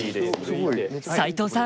齋藤さん